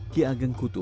ki ageng kutu